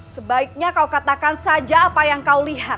sebaiknya kau katakan saja apa yang kau lihat